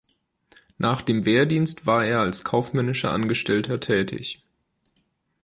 Nach dem Wehrdienst war er als kaufmännischer Angestellter tätig.